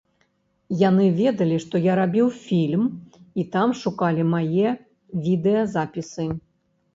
Яны ведалі, што я рабіў фільм, і таму шукалі мае відэазапісы.